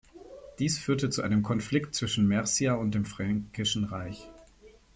Dies führte zu einem Konflikt zwischen Mercia und dem Fränkischen Reich.